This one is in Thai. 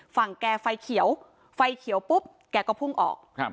แกไฟเขียวไฟเขียวปุ๊บแกก็พุ่งออกครับ